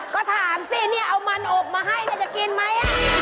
ก็ถามสิเนี่ยเอามันอบมาให้เนี่ยจะกินไหม